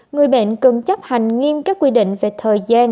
người bệnh cần chấp hành nghiêm các quy định về thời gian